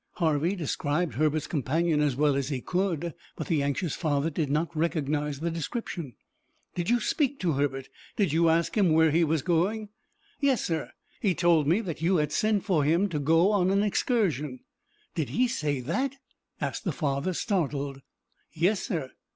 Harvey described Herbert's companion as well as he could, but the anxious father did not recognize the description. "Did you speak to Herbert? Did you ask where he was going?" "Yes, sir. He told me that you had sent for him to go on an excursion." "Did he say that?" asked the father, startled. "Yes, sir."